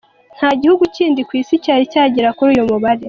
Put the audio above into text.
Nta gihugu kindi ku Isi cyari cyagera kuri uyu mubare.